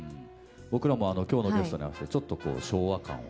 僕らも今日のゲストに合わせてちょっとこう昭和感を。